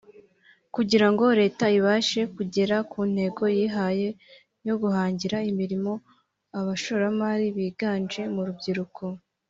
kugira ngo Leta ibashe kugera ku ntego yihaye yo guhangira imirimo abashomeri biganje mu rubyiruko